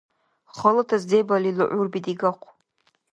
Халатас дебали лугӀурби дигахъу.